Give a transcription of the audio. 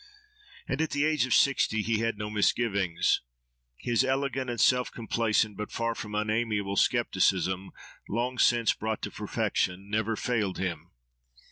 And at the age of sixty he had no misgivings. His elegant and self complacent but far from unamiable scepticism, long since brought to perfection, never failed him.